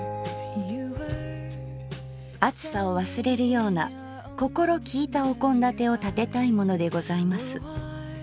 「暑さを忘れるような心きいたお献立をたてたいものでございます。